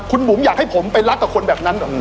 คุณบุ๋มอยากให้ผมไปรักกับคนแบบนั้นเหรอ